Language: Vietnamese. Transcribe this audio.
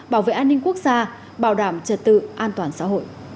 bảo vệ an ninh quốc gia bảo đảm trật tự an toàn xã hội